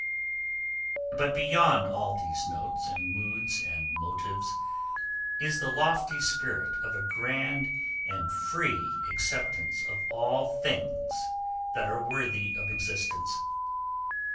But beyond all these notes and moods and motives is the lofty spirit of a grand and free acceptance of all things that are worthy of existence.